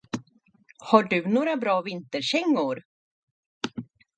Har du några bra vinterkängor?